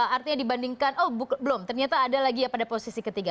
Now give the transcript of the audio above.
artinya dibandingkan oh belum ternyata ada lagi ya pada posisi ketiga